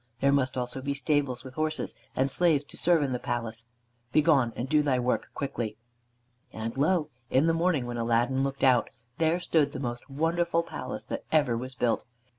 There must also be stables with horses, and slaves to serve in the palace. Begone, and do thy work quickly." And lo! in the morning when Aladdin looked out, there stood the most wonderful palace that ever was built.